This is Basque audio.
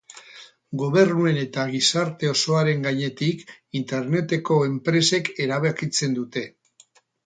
Gobernuen eta gizarte osoaren gainetik Interneteko enpresek erabakitzen dute.